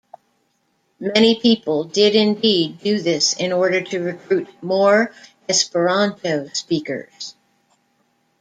Many people did indeed do this in order to recruit more Esperanto speakers.